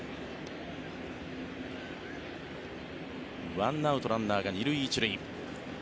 １アウト、ランナーが２塁１塁。